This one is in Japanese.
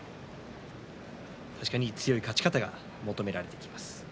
確かに強い勝ち方が求められてきます。